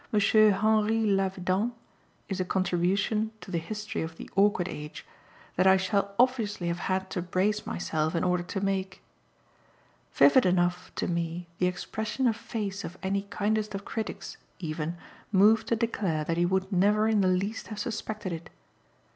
Henri Lavedan, is a contribution to the history of "The Awkward Age" that I shall obviously have had to brace myself in order to make. Vivid enough to me the expression of face of any kindest of critics, even, moved to declare that he would never in the least have suspected it.